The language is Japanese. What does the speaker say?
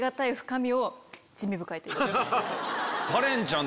カレンちゃん